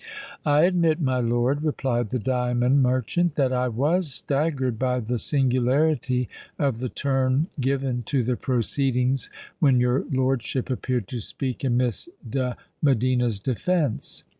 "I admit, my lord," replied the diamond merchant, "that I was staggered by the singularity of the turn given to the proceedings when your lordship appeared to speak in Miss de Medina's defence.